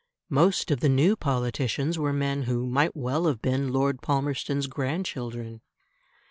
Most of the new politicians were men who might well have been Lord Palmerston's grandchildren.